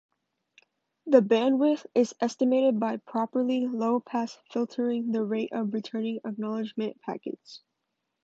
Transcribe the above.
The bandwidth is estimated by properly low-pass filtering the rate of returning acknowledgment packets.